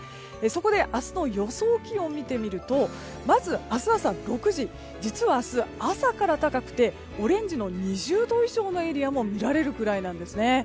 そこで明日の予想気温見てみるとまず明日朝６時実は明日、朝から高くてオレンジの２０度以上のエリアも見られるくらいなんですね。